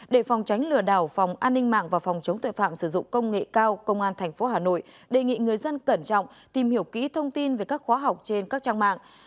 để phòng tránh lừa đảo phòng an ninh mạng và phòng chống tội phạm sử dụng công nghệ cao công an tp hà nội đề nghị người dân cẩn trọng tìm hiểu kỹ thông tin về các khóa học trên các trang mạng